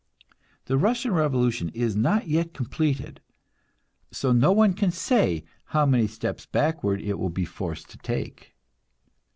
The Russian revolution is not yet completed, so no one can say how many steps backward it will be forced to take.